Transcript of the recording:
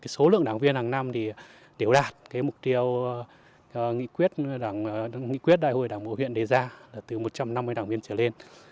số lượng đảng viên hàng năm đều đạt mục tiêu nghị quyết đại hội đảng bộ huyện đề ra là từ một trăm năm mươi đảng viên trở lên